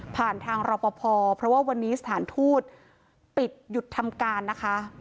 ผ่านทางรอปภเพราะว่าวันนี้สถานทูตปิดหยุดทำการนะคะ